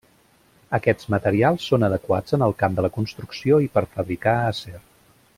Aquests materials són adequats en el camp de la construcció i per fabricar acer.